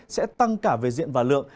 sẽ tăng cả về diện và lượng